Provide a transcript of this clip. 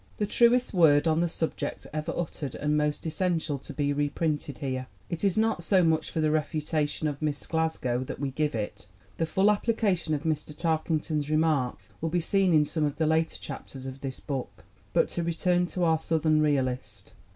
The truest word on the subject ever uttered and most essential to be reprinted here. It is not so much for the refutation of Miss Glasgow that we give it. The full application of Mr. Tarkington's remarks will be seen in some of the later chapters of this book. But to return to our Southern realist.